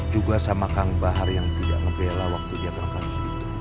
juga sama kang bahar yang tidak ngebelah waktu dia berkasus gitu